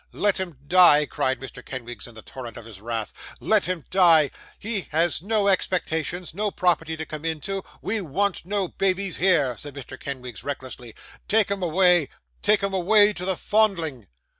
'Let him die,' cried Mr. Kenwigs, in the torrent of his wrath. 'Let him die! He has no expectations, no property to come into. We want no babies here,' said Mr. Kenwigs recklessly. 'Take 'em away, take 'em away to the Fondling!